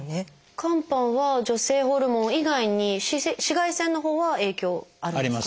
肝斑は女性ホルモン以外に紫外線のほうは影響あるんですか？